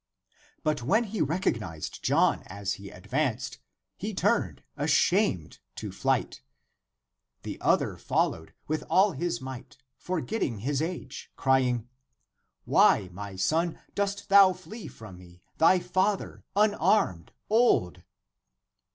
But when he recog nized John as he advanced, he turned, ashamed, to flight. The other followed with all his might, for getting his age, crying, " Why, my son, dost thou flee from me, thy father, unarmed, old?